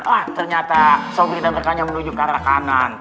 wah ternyata sobri dan rekannya menuju kara kanan